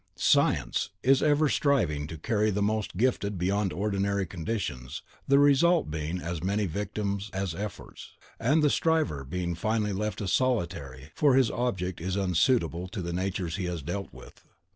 SCIENCE is ever striving to carry the most gifted beyond ordinary conditions, the result being as many victims as efforts, and the striver being finally left a solitary, for his object is unsuitable to the natures he has to deal with.